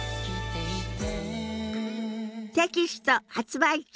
テキスト発売中。